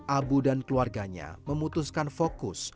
abu dan keluarganya memutuskan fokus